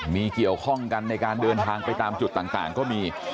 มีเกี่ยวข้องกันในการเดินทางไปตามจุดต่างก็มี